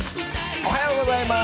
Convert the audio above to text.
おはようございます。